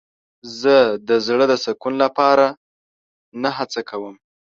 زه د زړه د سکون لپاره نه هڅه کوم.